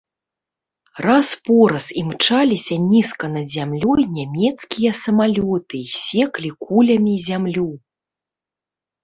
Раз-пораз імчаліся нізка над зямлёй нямецкія самалёты і секлі кулямі зямлю.